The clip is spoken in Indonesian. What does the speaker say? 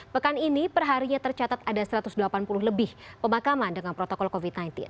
pekan ini perharinya tercatat ada satu ratus delapan puluh lebih pemakaman dengan protokol covid sembilan belas